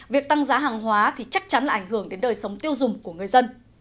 việc tăng giá hàng hóa thì chắc chắn là ảnh hưởng đến đời sống tiêu dùng của người dân